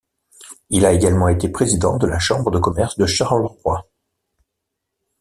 Il a également été président de la Chambre de Commerce de Charleroi.